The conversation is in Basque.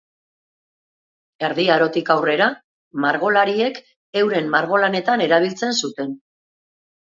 Erdi Arotik aurrera, margolariek euren margolanetan erabiltzen zuten.